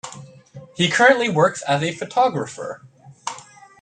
He currently works as a photographer.